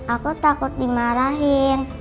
aku takut dimarahin